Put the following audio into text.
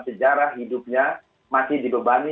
sejarah hidupnya masih dibebani